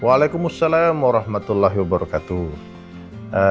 waalaikumsalam warahmatullahi wabarakatuh